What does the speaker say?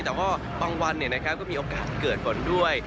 แต่ก็ตอนวันก็มีโอกาสเกิดผลด้วย